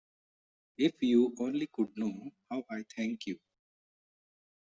If you only could know how I thank you.